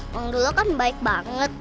mang dula kan baik banget